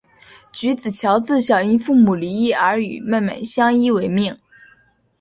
菊梓乔自小因父母离异而与妹妹相依为命。